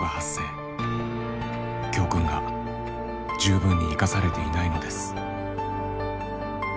教訓が十分に生かされていないのです。